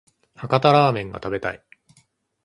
博多ラーメンが食べたい